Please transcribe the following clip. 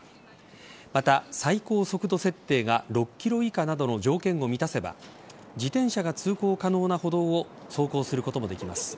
また、最高速度設定が６キロ以下などの条件を満たせば自転車が通行可能な歩道を走行することもできます。